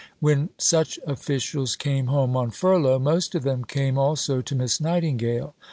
When such officials came home on furlough, most of them came also to Miss Nightingale.